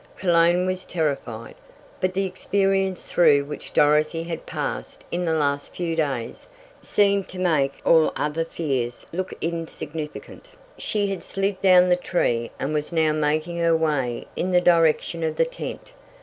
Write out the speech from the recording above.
Cologne was terrified, but the experience through which Dorothy had passed in the last few days seemed to make all other fears look insignificant. She had slid down the tree, and was now making her way in the direction of the tent.